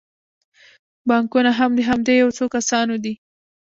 بانکونه هم د همدې یو څو کسانو دي